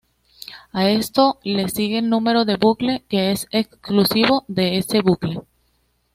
A esto le sigue el número de bucle, que es exclusivo de ese bucle.